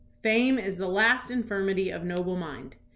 Fame is the last infirmity of noble mind.'